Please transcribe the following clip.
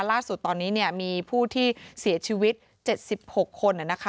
ล่าสุดตอนนี้เนี่ยมีผู้ที่เสียชีวิต๗๖คนนะคะ